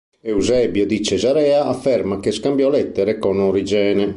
Eusebio di Cesarea afferma che scambiò lettere con Origene.